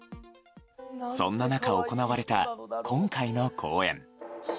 そんな中行われた今回の公演。